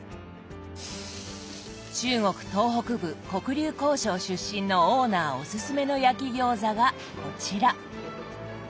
中国東北部黒竜江省出身のオーナーおすすめの焼き餃子がこちら。